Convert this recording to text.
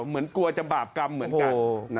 เหมือนกลัวจะบาปกรรมเหมือนกัน